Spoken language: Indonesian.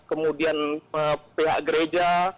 kemudian pihak gereja